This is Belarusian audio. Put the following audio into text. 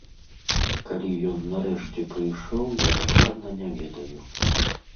Калі ён нарэшце прыйшоў, я дакладна не ведаю.